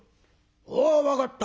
「おう分かった。